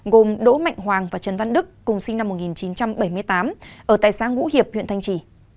gồm đỗ mạnh hoàng và trần văn đức cùng sinh năm một nghìn chín trăm bảy mươi tám ở tại xã ngũ hiệp huyện thanh trì